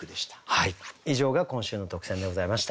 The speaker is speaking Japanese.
はい以上が今週の特選でございました。